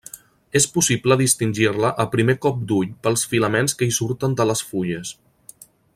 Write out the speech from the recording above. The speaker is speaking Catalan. És possible distingir-la a primer cop d'ull pels filaments que hi surten de les fulles.